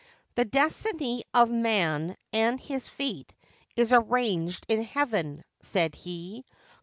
'The destiny of man and his fate is arranged in Heaven/ said he.